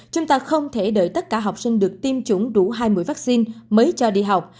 chúng ta không thể đợi tất cả học sinh được tiêm chủng đủ hai mươi vaccine mới cho đi học